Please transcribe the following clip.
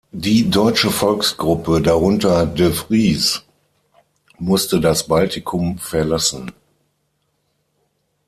Die deutsche Volksgruppe, darunter de Vries, musste das Baltikum verlassen.